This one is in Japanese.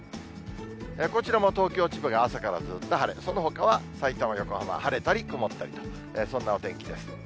こちらも東京、千葉が朝からずっと晴れ、そのほかはさいたま、横浜は晴れたり曇ったりと、そんなお天気です。